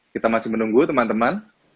kita masih menunggu teman teman